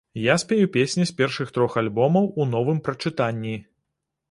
Я спяю песні з першых трох альбомаў у новым прачытанні.